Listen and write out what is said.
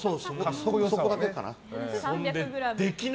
そこだけかな。